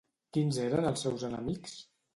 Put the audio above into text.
Quins eren els seus enemics?